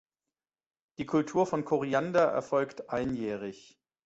Die Kultur von Koriander erfolgt einjährig.